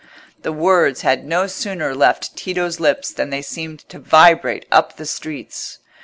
The words had no sooner left Tito's lips than they seemed to vibrate up the streets.